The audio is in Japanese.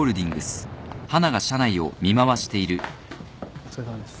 お疲れさまです。